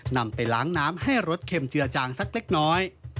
นำไปล้างน้ำให้รสเค็มเจือจางสักเล็กน้อย